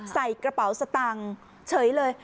ใส่กระเป๋าสตางค์เฉยเลย